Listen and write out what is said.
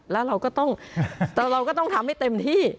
แล้วเราก็ต้องเราก็ต้องทำให้เต็มที่